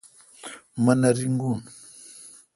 مہ نہ رنگو۔